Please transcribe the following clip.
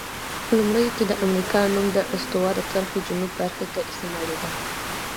لومړیو کې د امریکا نوم د استوا د کرښې جنوب برخې ته استعمالیده.